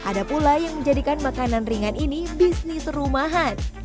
ada pula yang menjadikan makanan ringan ini bisnis rumahan